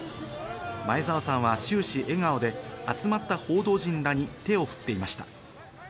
前澤さんは終始笑顔で、集まった報道陣らに手を振っていました。